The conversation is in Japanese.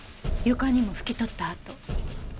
床にも拭き取った跡。